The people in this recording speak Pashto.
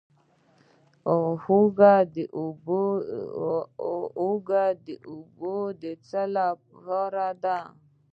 د هوږې اوبه د څه لپاره دي؟